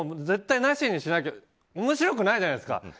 絶対なしにしなきゃ面白くないじゃないですか。